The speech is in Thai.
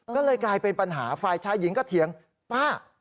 ก็เลยกลายเป็นปัญหาฝ่ายชายหญิงก็เถียงป้า